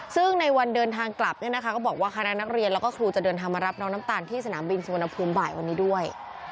ซึ่งในวันเดินทางกลับเนี่ยนะคะก็บอกว่าคณะนักเรียนแล้วก็ครูจะเดินทางมารับน้องน้ำตาลที่สนามบินสุวรรณภูมิบ่ายวันนี้ด้วย